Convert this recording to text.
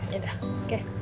ya udah oke